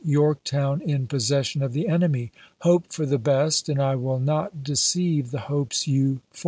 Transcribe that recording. Yorktown in possession of the enemy. Hope for voK xir, the best, and I will not deceive the hopes you for pp.'